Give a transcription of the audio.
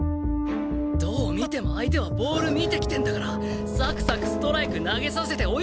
どう見ても相手はボール見てきてんだからサクサクストライク投げさせて追い込みゃいいんだよ！